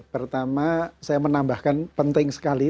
pertama saya menambahkan penting sekali